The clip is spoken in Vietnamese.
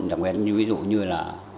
đặc biệt như ví dụ như là